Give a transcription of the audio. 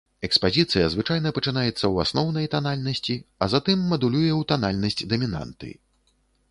Экспазіцыя звычайна пачынаецца ў асноўнай танальнасці, а затым мадулюе ў танальнасць дамінанты.